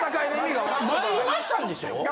参りましたんでしょ？